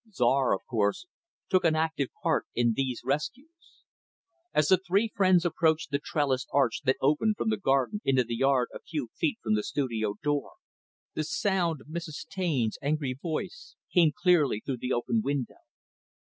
Czar, of course, took an active part in these rescues. As the three friends approached the trellised arch that opened from the garden into the yard, a few feet from the studio door, the sound of Mrs. Taine's angry voice, came clearly through the open window.